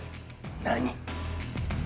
何！